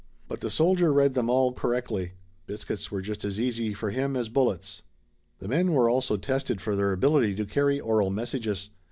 But the soldier read them all correctly. Biscuits were just as easy for him as bullets. The men were also tested for their ability to carry oral messages.